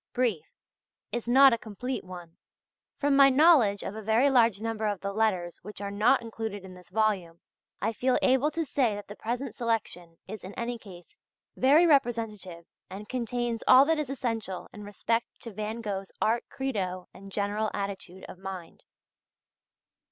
Briefe," is not a complete one, from my knowledge of a very large number of the letters which are not included in this volume, I feel able to say that the present selection is in any case very representative and contains all that is essential in respect to Van Gogh's art credo and general attitude of mind.